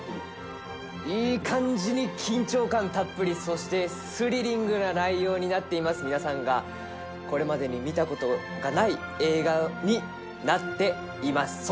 いい感じに緊張感たっぷり、そして、スリリングな内容になっています、皆さんがこれまでに見たことがない映画になっています。